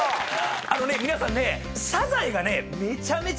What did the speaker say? あのね皆さんね。